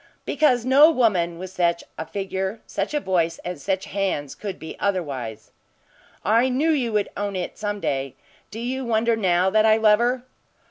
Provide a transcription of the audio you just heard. "Because no woman with such a figure, such a voice and such hands could be otherwise." "I knew you would own it some day. Do you wonder now that I love her?"